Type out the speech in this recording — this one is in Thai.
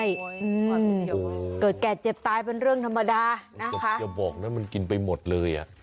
อืมเกิดแก่เจ็บตายเป็นเรื่องธรรมดานะอย่าบอกนะมันกินไปหมดเลยอ่ะ